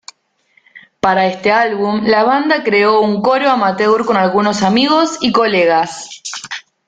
Para este álbum, la banda creó un coro amateur con algunos amigos y colegas.